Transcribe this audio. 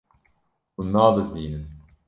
Hûn nabizdînin.